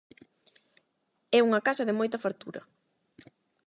É unha casa de moita fartura.